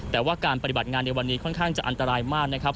แต่ว่าการปฏิบัติงานในวันนี้ค่อนข้างจะอันตรายมากนะครับ